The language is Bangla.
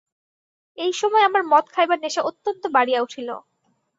এইসময় আমার মদ খাইবার নেশা অত্যন্ত বাড়িয়া উঠিল।